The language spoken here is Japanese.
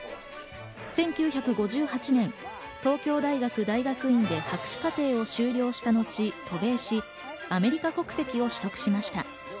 １９５８年、東京大学大学院で博士課程を修了したのち、渡米しアメリカ国籍を取得しました。